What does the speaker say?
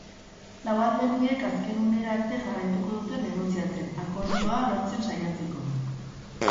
Lau alderdiek azken unera arte jarraituko dute negoziatzen, akordioa lortzen saiatzeko.